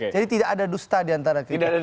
jadi tidak ada dusta diantara kita